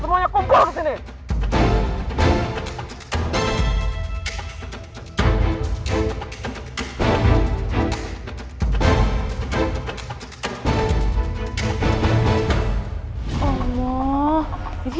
anak ysma garuda